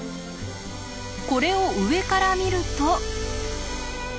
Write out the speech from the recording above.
これを上から見ると。